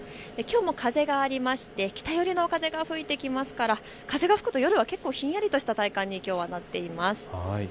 きょうも風がありまして北寄りの風が吹いてきますから風が吹くと夜は結構ひんやりとした感じにきょうはなっています。